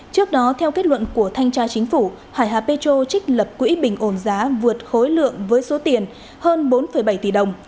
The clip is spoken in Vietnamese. trước đó theo kết luận của thanh tra chính phủ hải hà petro trích lập quỹ bình ổn giá vượt khối lượng với số tiền hơn bốn bảy tỷ đồng